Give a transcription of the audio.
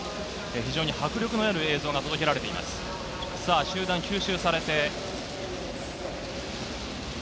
非常に迫力のある映像が届けられています。